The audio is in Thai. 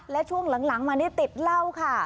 และช่วงหลังมานี่ติดเหล้าค่ะ